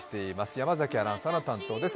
山崎アナウンサーの担当です